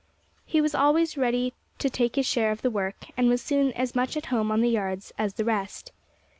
He was always ready to take his share of the work, and was soon as much at home on the yards as the rest.